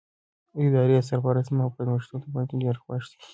د ادارې سرپرست زما په نوښتونو باندې ډېر خوښ دی.